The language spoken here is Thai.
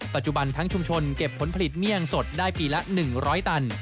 ปัจจุบันทั้งชุมชนเก็บผลผลิตเมี่ยงสดได้ปีละ๑๐๐ตัน